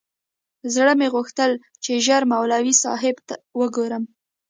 زړه مې غوښتل چې ژر مولوي صاحب وگورم.